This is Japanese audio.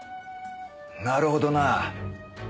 なるほどなぁ。